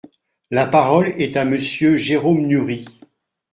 La parole est à Monsieur Jérôme Nury.